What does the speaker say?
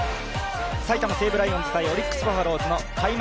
埼玉西武ライオンズ×オリックス・バファローズの開幕